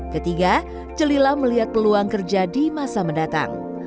ketiga celila melihat peluang kerja di masa mendatang